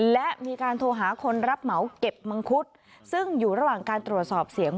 และมีการโทรหาคนรับเหมาเก็บมังคุดซึ่งอยู่ระหว่างการตรวจสอบเสียง